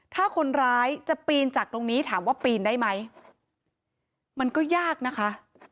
ถ้าคนร้ายจะปีนจากตรงนี้ถามว่าปีนได้ไหมมันก็ยากนะคะ